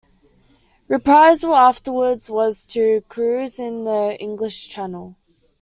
"Reprisal" afterwards was to cruise in the English Channel.